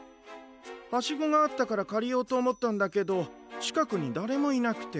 ハシゴがあったからかりようとおもったんだけどちかくにだれもいなくて。